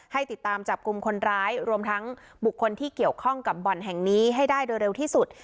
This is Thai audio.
ให้ติดตามจับกลุ่มคนร้ายรวมทั้งบุคคลที่เกี่ยวข้องกับบ่อนแห่งนี้ให้ได้โดยเร็วที่สุด